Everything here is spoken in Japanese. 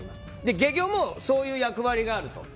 懸魚もそういう役割があると。